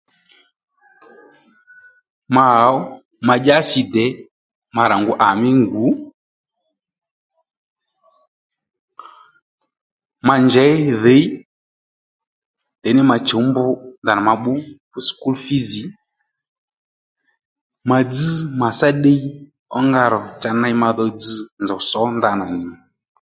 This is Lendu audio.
Ma hǒw madyási dè ma rà ngu à mí ngǔ ma njěy dhǐy ndèymí ma chǔw mbr ma bbú fú skul fiz ma dzź màtsá ddiy ónga rò cha ney madho dzz nzò sǒ ndanà nì